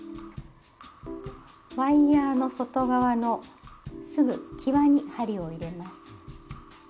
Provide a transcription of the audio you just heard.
ワイヤーの外側のすぐきわに針を入れます。